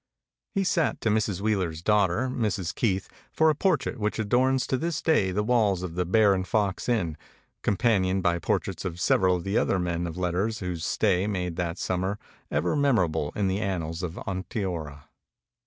He sat to Mrs. Wheeler's daughter, Mrs. Keith, for a portrait which adorns to this day the walls of the Bear and Fox Inn, companioned by portraits of several of the other men of let ters whose stay made that summer ever mem orable in the annals of Onteora.